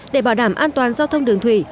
để bảo đảm an toàn giao thông đường thủy